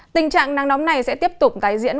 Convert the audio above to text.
tình trạng nắng nóng này sẽ tiếp tục tái diễn